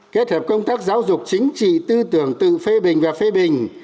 kết hợp công tác giáo dục chính trị tư tưởng tự phê bình và phê bình